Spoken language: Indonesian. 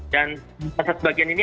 dan fase sebagian ini